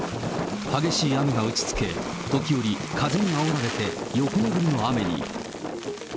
激しい雨が打ちつけ、時折、風にあおられて横殴りの雨に。